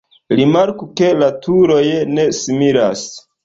Rimarku ke la turoj ne similas.